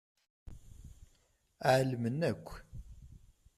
Ɛelmen akk.